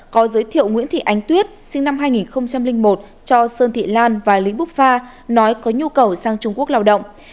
có giới thiệu nguyễn thị ánh tuyết sinh năm hai nghìn một cho sơn thị lan và lý búc pha nói có nhu cầu sang trung quốc lao động